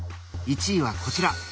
１位はこちら！